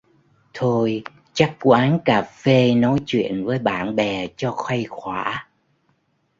Thôi chắc quán cà phê nói chuyện với bạn bè cho khuây khoả